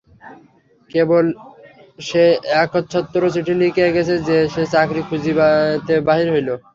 কেবল সে একছত্র চিঠি লিখিয়া গেছে যে, সে চাকরি খুঁজিতে বাহির হইল।